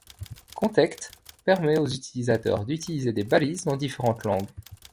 ConTeXt permet aux utilisateurs d'utiliser des balises dans différentes langues.